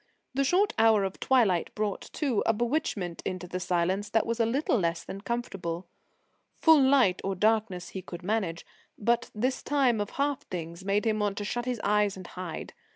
The short hour of twilight brought, too, a bewitchment into the silence that was a little less than comfortable. Full light or darkness he could manage, but this time of half things made him want to shut his eyes and hide.